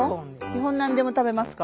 基本何でも食べますか？